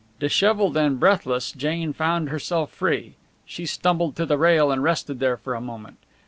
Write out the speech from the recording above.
Dishevelled and breathless, Jane found herself free. She stumbled to the rail and rested there for a moment.